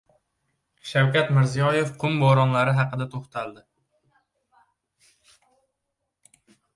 Shavkat Mirziyoyev qum bo‘ronlari haqida to‘xtaldi